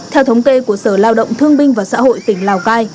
theo thống kê của sở lao động thương binh và xã hội tỉnh lào cai